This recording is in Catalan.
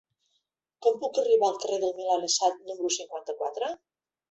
Com puc arribar al carrer del Milanesat número cinquanta-quatre?